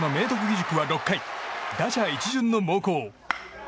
義塾は６回、打者一巡の猛攻。